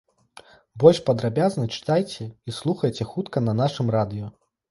Больш падрабязна чытайце і слухайце хутка на нашым радыё.